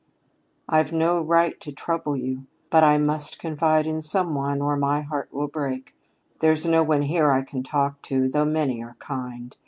"I've no right to trouble you, but I must confide in some one or my heart will break. There's no one here I can talk to, though many are kind.